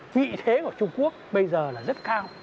vị thế của trung quốc bây giờ là rất cao